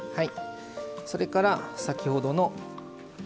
それから先ほどの。